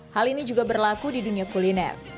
hal ini juga berlaku di dunia kuliner